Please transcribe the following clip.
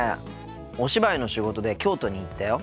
お芝居の仕事で京都に行ったよ。